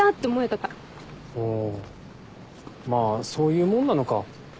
ああまあそういうもんなのか。